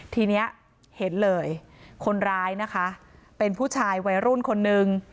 ทีนี้เห็นเลยคนร้ายนะคะเป็นผู้ชายวัยรุ่นคนนึง